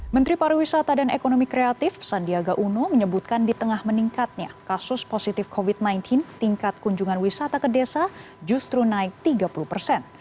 menteri pariwisata dan ekonomi kreatif sandiaga uno menyebutkan di tengah meningkatnya kasus positif covid sembilan belas tingkat kunjungan wisata ke desa justru naik tiga puluh persen